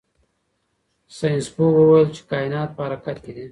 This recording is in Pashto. ساینس پوه وویل چې کائنات په حرکت کې دي.